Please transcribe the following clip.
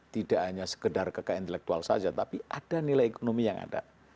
tidak hanya sekedar kekayaan intelektual saja tapi ada nilai ekonomi yang ada